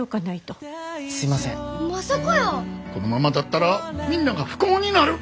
このままだったらみんなが不幸になる。